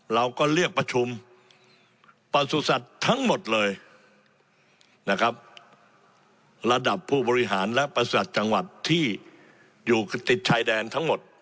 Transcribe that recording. เราก็เรียกประชุมประสุทธิ์สัตว์ทั้งหมดเลยนะครับระดับผู้บริหารและประสาทจังหวัดที่อยู่ติดชายแดนทั้งหมด